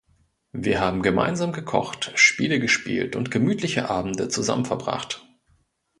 Wir haben gemeinsam gekocht, Spiele gespielt und gemütliche Abende zusammen verbracht.